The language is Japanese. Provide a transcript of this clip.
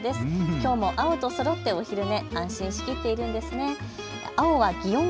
きょうもアオとそろってお昼寝、安心しきっているのですね。